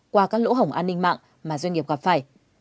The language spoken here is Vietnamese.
qua các lỗ hổng an ninh mạng mà doanh nghiệp gặp phải